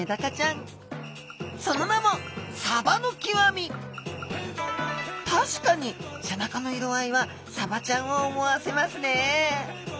その名も確かに背中の色合いはサバちゃんを思わせますね。